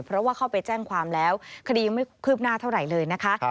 เพราะว่าเข้าไปแจ้งความแล้วคดียังไม่คืบหน้าเท่าไหร่เลยนะคะ